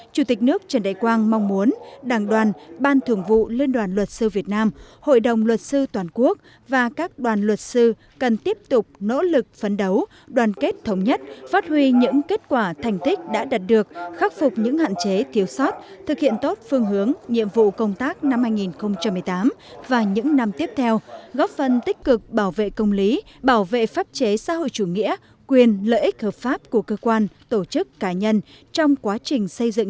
chủ tịch nước trần đại quang mong muốn đảng đoàn ban thường vụ liên đoàn luật sư việt nam hội đồng luật sư toàn quốc và các đoàn luật sư cần tiếp tục nỗ lực phấn đấu đoàn kết thống nhất phát huy những kết quả thành tích đã đạt được khắc phục những hạn chế thiếu sót thực hiện tốt phương hướng nhiệm vụ công tác năm hai nghìn một mươi tám và những năm tiếp theo góp phần tích cực bảo vệ công lý bảo vệ pháp chế xã hội chủ nghĩa quyền lợi ích hợp pháp của cơ quan tổ chức cá nhân trong quá trình xây dựng